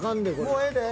もうええで。